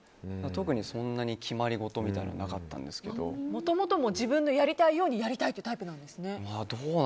特に、そんなに決まり事みたいなのはもともと自分のやりたいようにやりたい！というタイプなんですね。